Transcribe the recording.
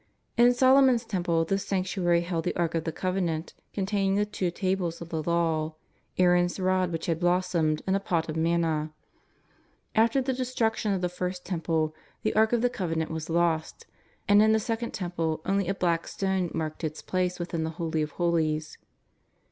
In Solomon^s Temple this sanctuary held the Ark of the Covenant, containing the two Tables of the Law, Aaron's rod which had blossomed, and a pot of manna. After the destruction of the First Temple the Ark of the Covenant was lost, and in the Second Temple only a black stone marked its place within the Holy of Holies.